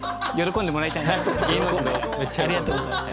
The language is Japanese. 一応ねありがとうございます。